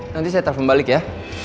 nanti saya telfon balik ya